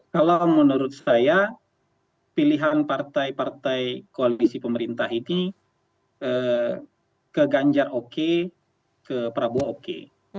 kalau menurut saya pilihan partai partai koalisi pemerintah ini ke ganjar oke ke prabowo oke